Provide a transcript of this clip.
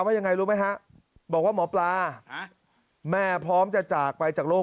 ว่ายังไงรู้ไหมฮะบอกว่าหมอปลาแม่พร้อมจะจากไปจากโลก